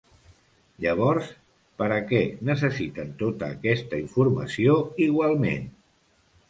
Llavors, per a què necessiten tota aquesta informació igualment?